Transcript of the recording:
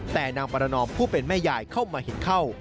แต่นางประนอมผู้เป็นแม่ยายเข้ามาเห็นเข้า